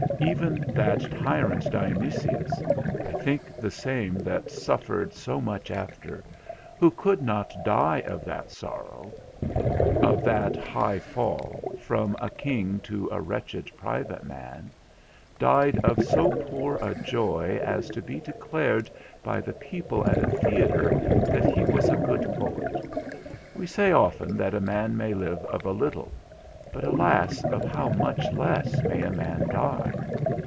Even that tyrant, Dionysius (I think the same that suffered so much after), who could not die of that sorrow, of that high fall, from a king to a wretched private man, died of so poor a joy as to be declared by the people at a theatre that he was a good poet. We say often that a man may live of a little; but, alas, of how much less may a man die?